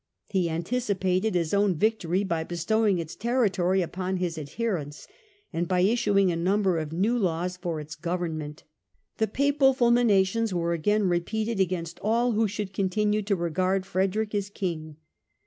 He anticipated his own victory by bestowing its territory upon his adherents and by issuing a number of new laws for its government. The Papal fulminations were again repeated against all who should continue to regard Frederick as King.